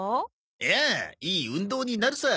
いやあいい運動になるさ。